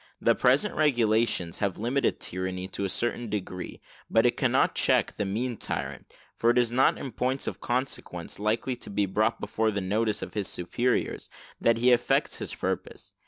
The present regulations have limited tyranny to a certain degree, but it cannot check the mean tyrant; for it is not in points of consequence likely to be brought before the notice of his superiors, that he effects his purpose.